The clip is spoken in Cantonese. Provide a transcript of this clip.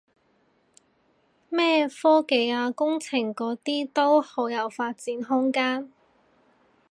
咩科技啊工程嗰啲都好有發展空間